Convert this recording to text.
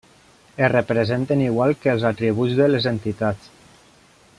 Es representen igual que els atributs de les entitats.